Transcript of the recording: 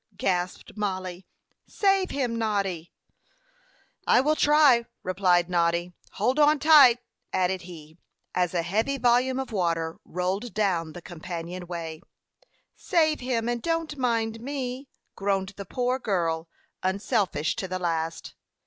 gasped Mollie. "Save him, Noddy!" "I will try," replied Noddy. "Hold on tight," added he, as a heavy volume of water rolled down the companion way. "Save him, and don't mind me," groaned the poor girl, unselfish to the last.